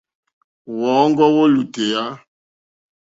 Wɔ́ɔ̌ŋɡɔ́ wó lùtèyà.